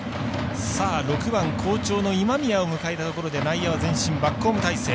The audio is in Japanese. ６番、好調の今宮を迎えたところで内野は前進バックホーム態勢。